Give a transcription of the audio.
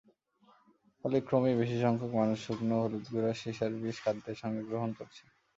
ফলে ক্রমেই বেশিসংখ্যক মানুষ শুকনো হলুদগুঁড়ার সিসার বিষ খাদ্যের সঙ্গে গ্রহণ করছেন।